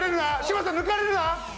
嶋佐抜かれるな！